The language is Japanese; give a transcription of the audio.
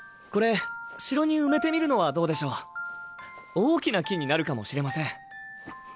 大きな木になるかもしれません。